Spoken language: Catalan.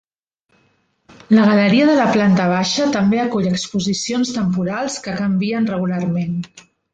La galeria de la planta baixa també acull exposicions temporals que canvien regularment.